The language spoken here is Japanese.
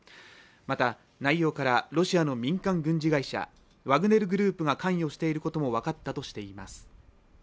また、内容からロシアの民間軍事会社「ワグネル・グループ」が関与していることも分かったとしています。